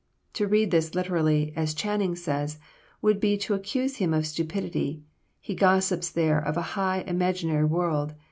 To read this literally, as Channing says, "would be to accuse him of stupidity; he gossips there of a high, imaginary world."